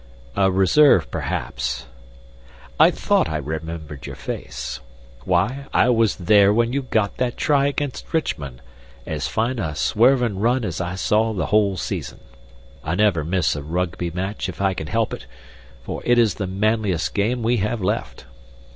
"A reserve, perhaps." "I thought I remembered your face. Why, I was there when you got that try against Richmond as fine a swervin' run as I saw the whole season. I never miss a Rugby match if I can help it, for it is the manliest game we have left.